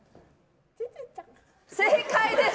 正解です！